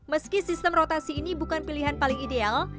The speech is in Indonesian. meski sistem rotasi ini bukan pilihan paling ideal